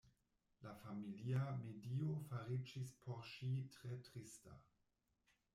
La familia medio fariĝis por ŝi tre trista.